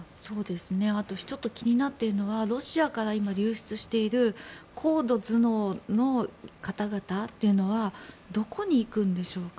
あとちょっと気になっているのがロシアから流出している高度頭脳の方々というのはどこに行くんでしょうか。